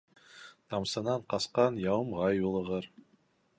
Тамсынан ҡасҡан яуымға юлығыр.